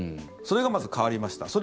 それがまず変わりました。